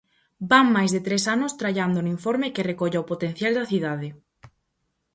Van máis de tres anos trallando no informe que recolla o potencial da cidade.